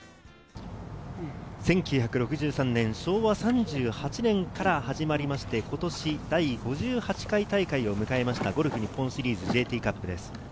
１９６３年、昭和３８年から始まりまして、今年第５８回大会を迎えましたゴルフ日本シリーズＪＴカップです。